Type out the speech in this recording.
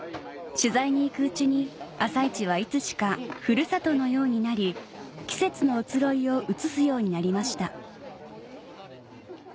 取材に行くうちに朝市はいつしかふるさとのようになり季節の移ろいを映すようになりました